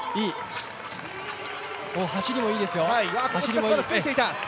走りもいいですよ。